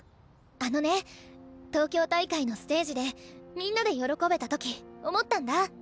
あのね東京大会のステージでみんなで喜べた時思ったんだ。